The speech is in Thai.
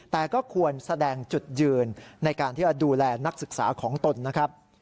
แต่ก็ควรแสดงจุดยืนในการที่จะดูแลนักศึกษาของตนนะครับ